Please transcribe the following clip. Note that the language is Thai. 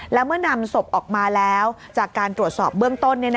แล้วเมื่อนำศพออกมาแล้วจากการตรวจสอบเบื้องต้น